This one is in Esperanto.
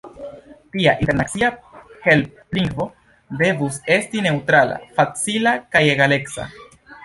Tia internacia helplingvo devus esti neŭtrala, facila kaj egaleca.